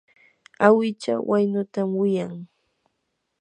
awicha waynutam wiyan.